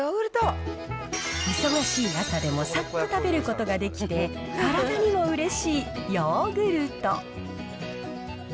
忙しい朝でもさっと食べることができて、体にもうれしいヨーグルト。